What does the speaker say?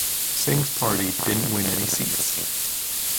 Singh's party didn't win any seats.